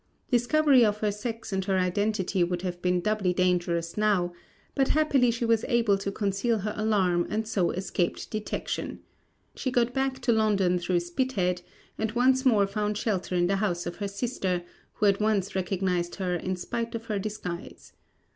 Discovery of her sex and her identity would have been doubly dangerous now; but happily she was able to conceal her alarm and so escaped detection. She got back to London through Spithead and once more found shelter in the house of her sister who at once recognised her in spite of her disguise.